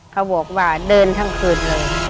เขาบอกว่าเดินทั้งคืนเลย